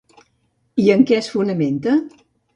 I en què es fonamenta?